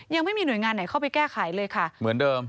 ยังไม่มีหน่วยงานไหนเข้าไปแก้ไขเลยค่ะเหมือนเดิม